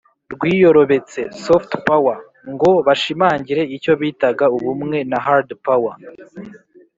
bwiyorobetse (soft power) ngo bashimangire icyo bitaga ubumwe na hard power.